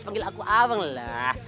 panggil aku awang lah